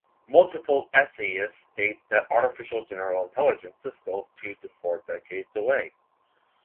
Multiple essayists state that artificial general intelligence is still two to four decades away.